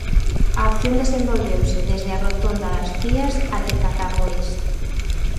A acción desenvolveuse desde a rotonda das Pías até Catabois.